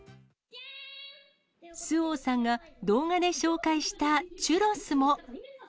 周央さんが動画で紹介したチュロスも。